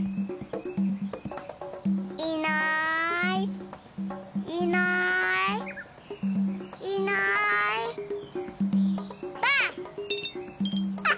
いないいないいないばあっ！